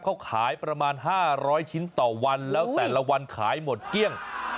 เขาขายประมาณ๕๐๐ชิ้นต่อวันแล้วแต่ละวันขายหมดเกลี้ยง